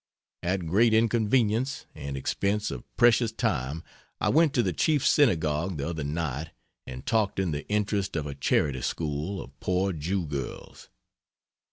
At great inconvenience, and expense of precious time I went to the chief synagogue the other night and talked in the interest of a charity school of poor Jew girls.